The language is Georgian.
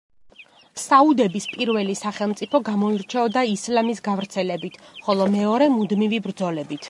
საუდების პირველი სახელმწიფო გამოირჩეოდა ისლამის გავრცელებით, ხოლო მეორე მუდმივი ბრძოლებით.